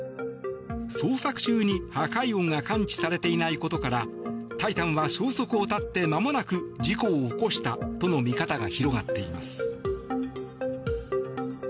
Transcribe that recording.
捜索中に破壊音が感知されていないことから「タイタン」は消息を絶って間もなく事故を起こしたとの見方が広がっています。